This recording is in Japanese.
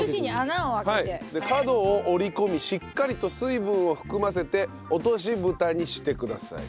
角を折り込みしっかりと水分を含ませて落とし蓋にしてください。